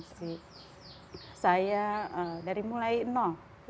saya dari mulai nol